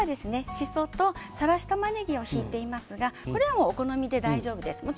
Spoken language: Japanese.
しそと、さらしたまねぎを敷いていますがお好みで大丈夫です。